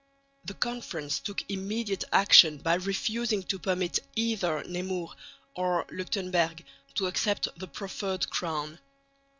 The Conference took immediate action by refusing to permit either Nemours or Leuchtenberg to accept the proffered crown.